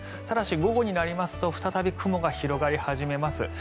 ただし、午後になりますと再び雲が広がり始めます。